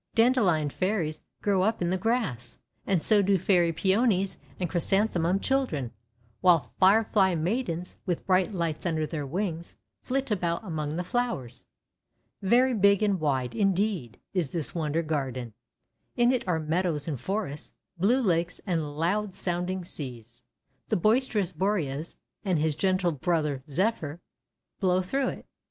Dandelion Fairies grow up in the grass, and so do Fairy Peonies and Chrysan themum Children; while Firefly Maidens, with bright lights under their wings, flit about among the flowers. Very big and wide, indeed, is this Wonder Garden. In it are meadows and forests, blue lakes and loud sounding seas. The boisterous Boreas and his gentle brother Zephyr blow through it.